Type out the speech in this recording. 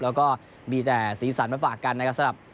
แล้วก็มีแต่สีสันมาฝากกันนะครับ